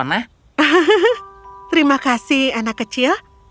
hahaha terima kasih anak kecil